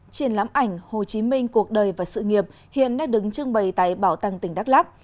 triển lãm ảnh hồ chí minh cuộc đời và sự nghiệp hiện đang đứng trưng bày tại bảo tàng tỉnh đắk lắc